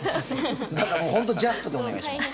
だから本当にジャストでお願いします。